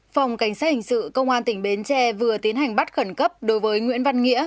phòng cảnh sát hình sự công an tỉnh bến tre vừa tiến hành bắt khẩn cấp đối với nguyễn văn nghĩa